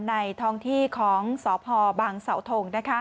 ในทองที่ของสภบางสธงศ์